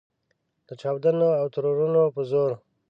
د چاودنو او ترورونو په زور.